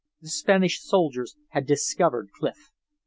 The Spanish soldiers had discovered Clif!